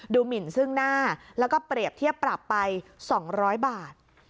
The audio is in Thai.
หมินซึ่งหน้าแล้วก็เปรียบเทียบปรับไป๒๐๐บาท